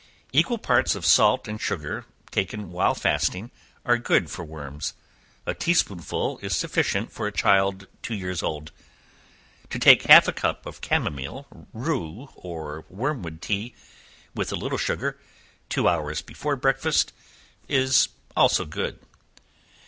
Equal parts of salt and sugar, taken while fasting, are good for worms; a tea spoonful is sufficient for a child two years old; to take half a cup of chamomile, rue or wormwood tea, with a little sugar, two hours before breakfast, is also good.